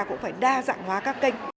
cũng phải đa dạng hóa các kênh